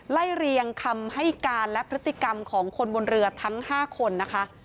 เรียงคำให้การและพฤติกรรมของคนบนเรือทั้ง๕คนนะคะ